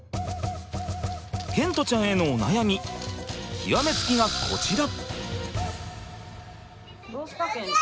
賢澄ちゃんへのお悩み極め付きがこちら。